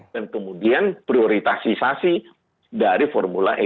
dan kemudian prioritasisasi dari formula e